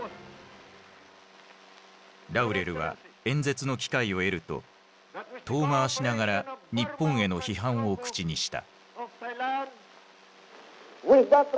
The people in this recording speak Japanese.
ラウレルは演説の機会を得ると遠回しながら日本への批判を口にした。